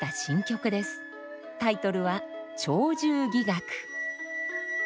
タイトルは「鳥獣戯楽」。